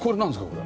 これ。